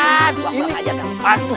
aku mau ajak kamu pas